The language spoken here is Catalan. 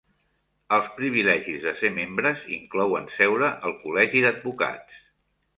Els privilegis de ser membres inclouen seure al Col·legi d'Advocats.